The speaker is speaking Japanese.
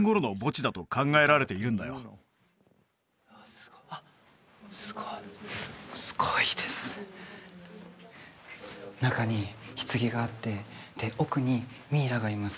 すごっすごいすごいです中に棺があってで奥にミイラがいます